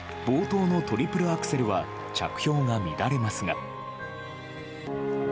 冒頭のトリプルアクセルは着氷が乱れますが。